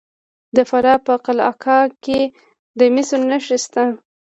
د فراه په قلعه کاه کې د مسو نښې شته.